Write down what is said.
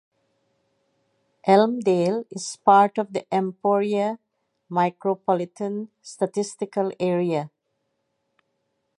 Elmdale is part of the Emporia Micropolitan Statistical Area.